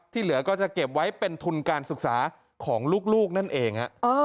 เหลือก็จะเก็บไว้เป็นทุนการศึกษาของลูกนั่นเอง